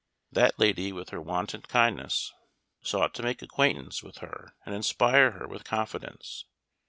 That lady, with her wonted kindness, sought to make acquaintance with her, and inspire her with confidence.